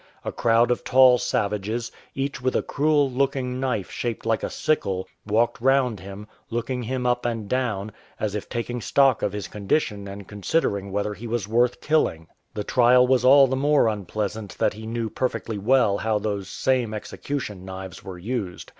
A crowd of tall savages, each with a cruel looking knife shaped like a sickle, walked round him, looking him up and down, as if taking stock of his condition and considering whether he was worth killing. The trial was all the more unpleasant that he knew perfectly well how those same execution knives were used.